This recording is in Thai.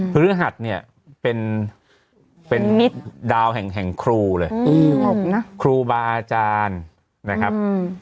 พระฤหัสเป็นดาวแห่งครูเลยครูบาอาจารย์นะครับ